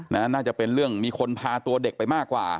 น่าจะเป็นเรื่องมีคนพาตัวเด็กไปมากกว่า